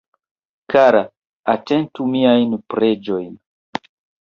Kara, atentu miajn preĝojn.